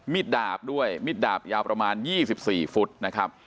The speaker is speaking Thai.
ดาบด้วยมิดดาบยาวประมาณ๒๔ฟุตนะครับ